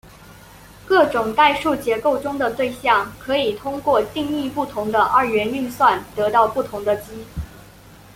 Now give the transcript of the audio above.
各种代数结构中的对象可以通过定义不同的二元运算得到不同的积。